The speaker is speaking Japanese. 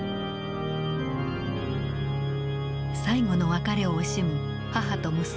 最後の別れを惜しむ母と娘です。